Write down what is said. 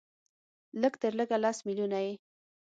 لږ تر لږه لس ملیونه یې